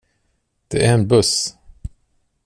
Det är en buss.